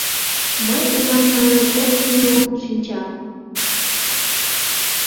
Мый улам манын, ок лумо шинчам.